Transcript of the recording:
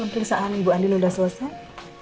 oke pengeriksaan ibu andin udah selesai